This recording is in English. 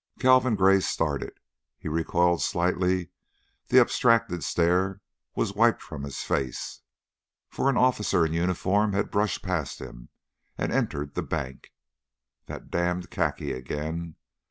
Calvin Gray started, he recoiled slightly, the abstracted stare was wiped from his face, for an officer in uniform had brushed past him and entered the bank. That damned khaki again!